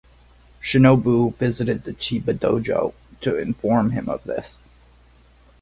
Shinobu visited the Chiba Dojo to inform him of this.